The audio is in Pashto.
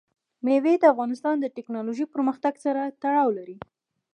مېوې د افغانستان د تکنالوژۍ پرمختګ سره تړاو لري.